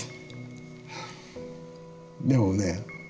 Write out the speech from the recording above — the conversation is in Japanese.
でもね